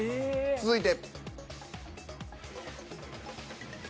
続いて。